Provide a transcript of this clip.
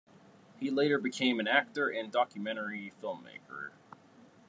He later became an actor and documentary filmmaker.